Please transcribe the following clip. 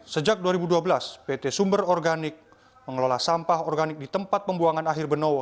sejak dua ribu dua belas pt sumber organik mengelola sampah organik di tempat pembuangan akhir benowo